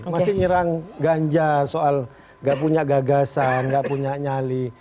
masih nyerang ganjar soal gak punya gagasan nggak punya nyali